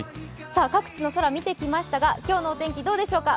各地の空見てきましたが、今日のお天気どうでしょうか。